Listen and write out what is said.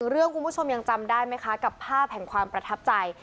เรื่องคุณผู้ชมยังจำได้ไหมคะกับภาพแห่งความประทับใจ